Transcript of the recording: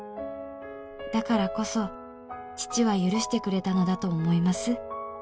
「だからこそ父は許してくれたのだと思います」